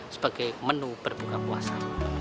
sebagai menu berbuka puasa